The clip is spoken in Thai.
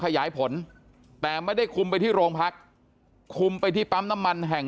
ขยายผลแต่ไม่ได้คุมไปที่โรงพักคุมไปที่ปั๊มน้ำมันแห่ง